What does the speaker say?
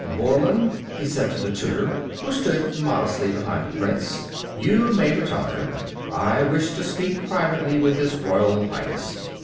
"Borland," he said to the tutor, who stood modestly behind the Prince, "you may retire. I wish to speak privately with his royal highness."